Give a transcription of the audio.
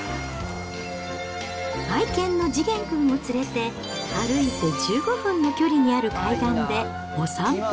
愛犬のじげんくんを連れて歩いて１５分の距離にある海岸でお散歩。